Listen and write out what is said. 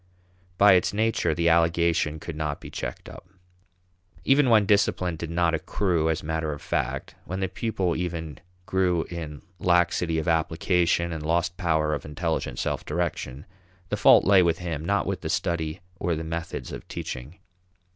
By its nature, the allegation could not be checked up. Even when discipline did not accrue as matter of fact, when the pupil even grew in laxity of application and lost power of intelligent self direction, the fault lay with him, not with the study or the methods of teaching.